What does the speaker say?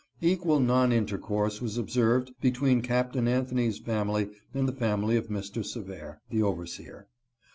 Equal non intercourse was observed between Captain Anthony's fam ily and the family of Mr. Seveir, the overseer.